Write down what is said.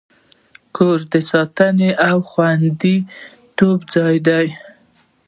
کور د ساتنې او خوندیتوب ځای دی.